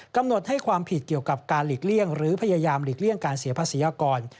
กำหนดให้ความผิดเกี่ยวกับการหลีกเลี่ยงหรือพยายามหลีกเลี่ยงการเสียภาษีอากร